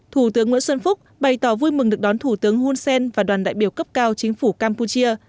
thủ tướng nguyễn xuân phúc bày tỏ vui mừng được đón thủ tướng hun sen và đoàn đại biểu cấp cao chính phủ campuchia